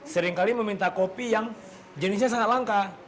seringkali meminta kopi yang jenisnya sangat langka